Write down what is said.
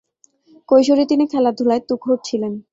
কৈশোরে তিনি খেলাধুলায় তুখোড় ছিলেন।